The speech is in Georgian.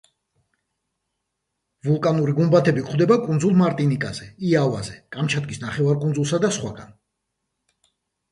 ვულკანური გუმბათები გვხვდება კუნძულ მარტინიკაზე, იავაზე, კამჩატკის ნახევარკუნძულზე და სხვა.